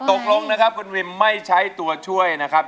ตกลงนะครับคุณวิมไม่ใช้ตัวช่วยนะครับ